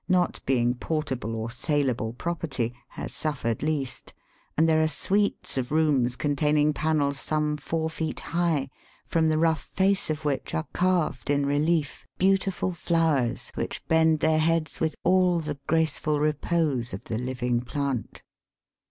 not being portable or saleable property, lias suffered least, and there are suites of rooms containing panels some four feet high, from the rough face of which are carved in relief beautiful flowers which bend their heads with all the graceful repose of the living plant.